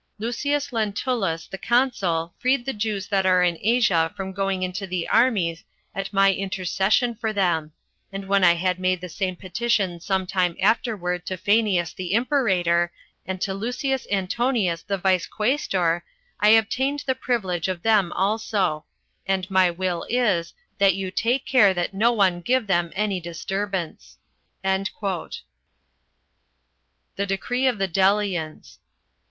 Lucius Lentulus the consul freed the Jews that are in Asia from going into the armies, at my intercession for them; and when I had made the same petition some time afterward to Phanius the imperator, and to Lucius Antonius the vice quaestor, I obtained that privilege of them also; and my will is, that you take care that no one give them any disturbance." 14. The decree of the Delians.